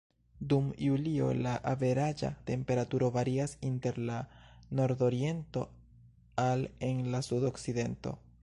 Dum julio, la averaĝa temperaturo varias inter en la nordoriento al en la sudokcidento.